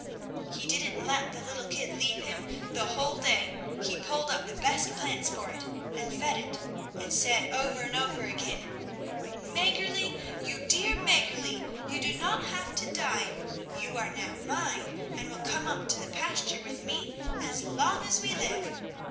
He didn't let the little kid leave him the whole day; he pulled up the best plants for it and fed it, and said over and over again: "Mäggerli, you dear Mäggerli, you do not have to die. You are now mine and will come up to the pasture with me as long as we live."